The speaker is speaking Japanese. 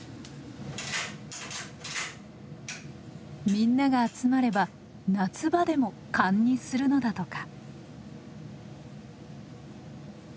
みんなが集まれば夏場でも燗にするのだとか。